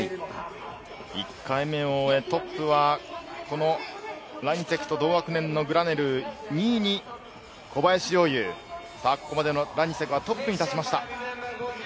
１回目を終え、トップはラニセクと同学年のグラネルー、２位に小林陵侑、ここまでラニセクはトップに立ちました。